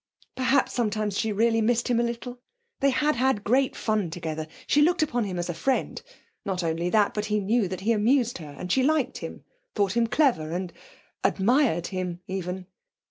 Perhaps, sometimes, she really missed him a little. They had had great fun together; she looked upon him as a friend; not only that, but he knew that he amused her, that she liked him, thought him clever, and admired him even.